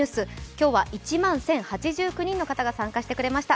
今日は１万１０８９人の方が参加してくれました。